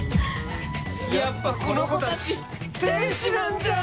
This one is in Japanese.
やっぱこの子たち天使なんじゃん！